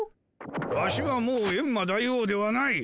ワシはもうエンマ大王ではない。